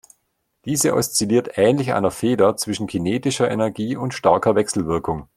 Diese oszilliert ähnlich einer Feder zwischen kinetischer Energie und starker Wechselwirkung.